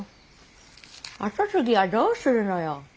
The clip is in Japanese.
跡継ぎはどうするのよ。